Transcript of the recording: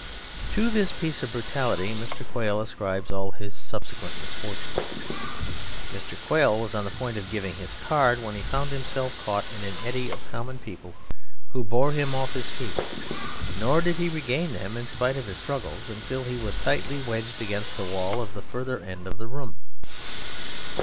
To this piece of brutality Mr. Quail ascribes all his subsequent misfortunes. Mr. Quail was on the point of giving his card, when he found himself caught in an eddy of common people who bore him off his feet; nor did he regain them, in spite of his struggles, until he was tightly wedged against the wall at the further end of the room.